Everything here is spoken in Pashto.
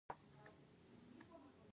د دوی د مینې کیسه د سپوږمۍ په څېر تلله.